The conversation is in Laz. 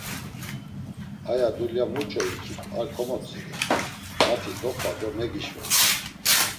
Aya dulya muç̆o ikip ar komotziri, mati dop̆a do megişvela.